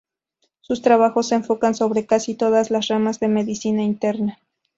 Sus trabajos se enfocan sobre casi todas las ramas de Medicina Interna.